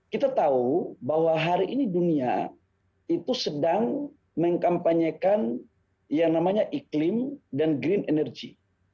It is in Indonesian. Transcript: kita tahu bahwa hari ini dunia itu sedang mengkampanyekan yang namanya iklim dan green energy